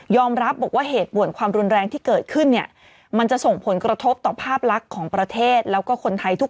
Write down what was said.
รับบอกว่าเหตุบ่วนความรุนแรงที่เกิดขึ้นเนี่ยมันจะส่งผลกระทบต่อภาพลักษณ์ของประเทศแล้วก็คนไทยทุก